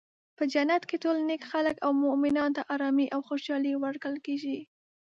په جنت کې ټول نیک خلک او مومنانو ته ارامي او خوشحالي ورکړل کیږي.